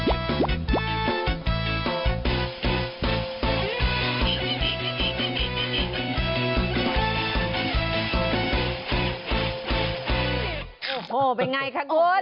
โอ้โหเป็นไงคะคุณ